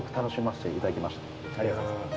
ありがとうございます。